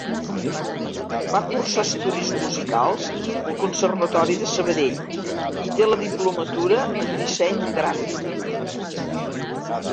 Va cursar estudis musicals al Conservatori de Sabadell i té la diplomatura en Disseny Gràfic.